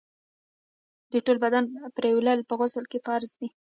د ټول بدن پرېولل په غسل کي فرض دي.